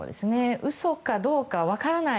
嘘かどうか分からない